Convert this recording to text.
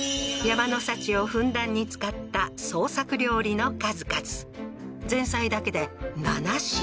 山の幸をふんだんに使った創作料理の数々前菜だけで七品